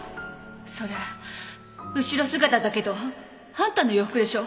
それ後ろ姿だけどあんたの洋服でしょ？